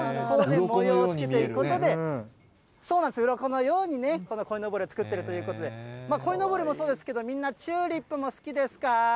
模様をつけていくことで、うろこのようにね、こいのぼりを作ってるということで、こいのぼりもそうですけど、みんな、チューリッはーい。